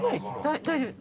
大丈夫。